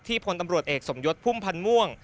พลตำรวจเอกสมยศพุ่มพันธ์ม่วง